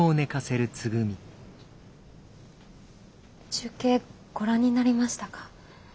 中継ご覧になりましたか？